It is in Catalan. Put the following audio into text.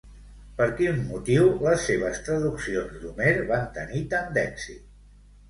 Per quin motiu les seves traduccions d'Homer van tenir tant d'èxit?